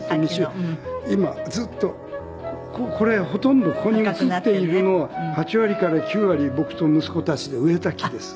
今ずっとこれほとんどここに映っているのは８割から９割僕と息子たちで植えた木です。